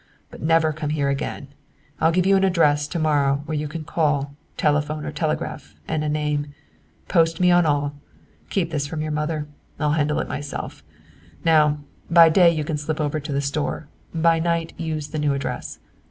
"But never come here again. I'll give you an address to morrow where you can call, telephone or telegraph, and a name. Post me on all. Keep this from your mother. I'll handle her myself. Now, by day you can slip over to the store, by night use the new address.